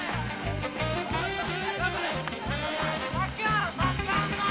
頑張れー！